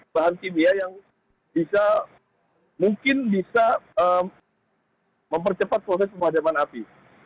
bahan kimia yang bisa mungkin bisa mempercepat proses pemadaman api